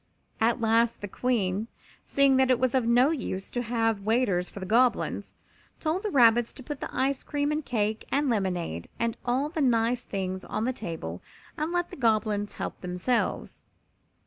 At last the Queen, seeing that it was of no use to have waiters for the Goblins, told the rabbits to put the ice cream and cake and lemonade and all the nice things on the table and let the Goblins help themselves.